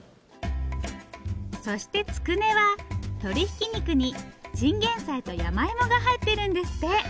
そしてつくねは鶏ひき肉にチンゲンサイと山芋が入ってるんですって。